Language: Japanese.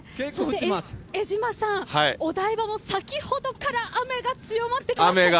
そして江島さんお台場も先ほどから雨が強まってきてます。